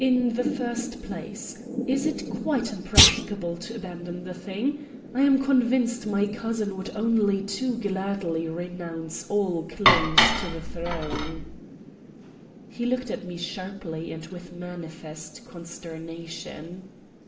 In the first place, is it quite impracticable to abandon the thing? I am convinced my cousin would only too gladly renounce all claim to the throne." He looked at me sharply and with manifest consternation.